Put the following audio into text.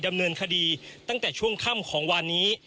ดำเนินคดีตั้งแต่ช่วงค่ำของวานนี้